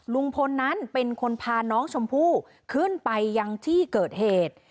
ลุงพลนั้นเป็นคนพาน้องชมพู่ขึ้นไปยังที่เกิดเหตุ